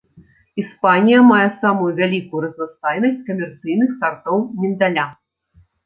Іспанія мае самую вялікую разнастайнасць камерцыйных сартоў міндаля.